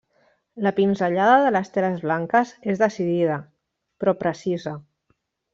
La pinzellada de les teles blanques és decidida, però precisa.